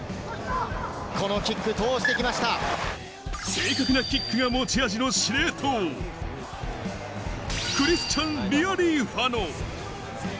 正確なキックが持ち味の司令塔、クリスチャン・リアリーファノ。